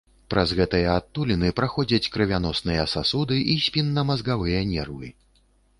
Праз гэтыя адтуліны праходзяць крывяносныя сасуды і спіннамазгавыя нервы.